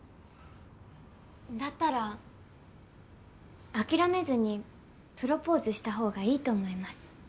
だったら諦めずにプロポーズした方がいいと思います。